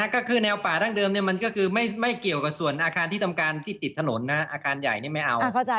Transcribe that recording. ก็คือแนวป่าดั้งเดิมมันก็คือไม่เกี่ยวกับส่วนอาคารที่ทำการที่ติดถนนนะอาคารใหญ่นี่ไม่เอา